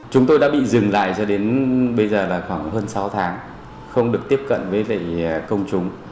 chúng tôi đã bị dừng lại cho đến bây giờ là khoảng hơn sáu tháng không được tiếp cận với lại công chúng